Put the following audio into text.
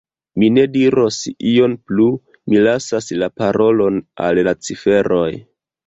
Mi ne diros ion plu; mi lasas la parolon al la ciferoj.